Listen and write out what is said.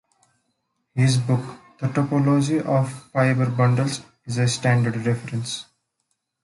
His book "The Topology of Fibre Bundles" is a standard reference.